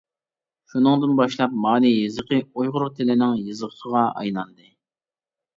شۇنىڭدىن باشلاپ مانى يېزىقى ئۇيغۇر تىلىنىڭ يېزىقىغا ئايلاندى.